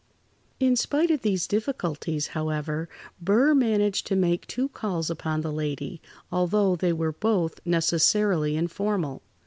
[Pg 62]In spite of these difficulties, however, Burr managed to make two calls upon the lady, although they were both necessarily informal.